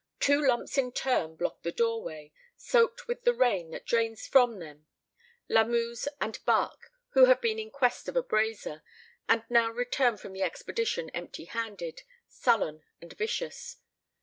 Two lumps in turn block the doorway, soaked with the rain that drains from them Lamuse and Barque, who have been in quest of a brasier, and now return from the expedition empty handed, sullen and vicious.